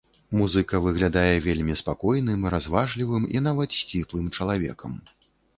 Музыка выглядае вельмі спакойным, разважлівым і нават сціплым чалавекам.